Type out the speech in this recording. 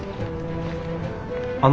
あの。